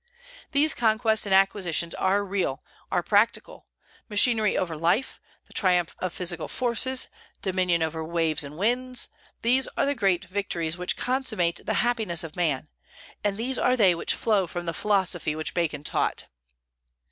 These conquests and acquisitions are real, are practical; machinery over life, the triumph of physical forces, dominion over waves and winds, these are the great victories which consummate the happiness of man; and these are they which flow from the philosophy which Bacon taught.